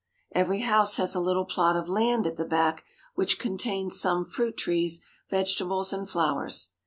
Every house has a little plot of land at the back, which con tains some fruit trees, vegetables, and flowers.